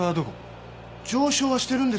上昇はしてるんですけど。